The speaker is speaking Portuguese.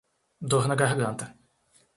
Dor na garganta